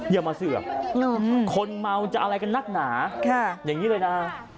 อย่ามาเสือกคนเมาจะอะไรกันนักหนาอย่างนี้เลยนะ